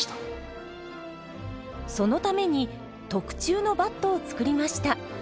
そのために特注のバットを作りました。